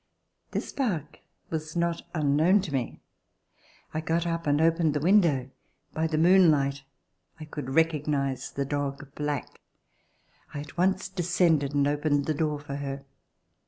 This bark was not unknown to me. I got up and opened the window. By the moonlight I could recognize the dog "Black." I at once descended and opened the door for her.